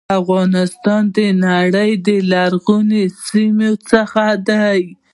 افغانستان د نړی د لرغونو سیمو څخه دی.